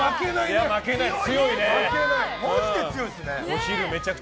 マジで強いですね。